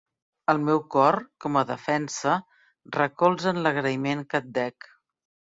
El meu cor, com a defensa, recolza en l'agraïment que et dec.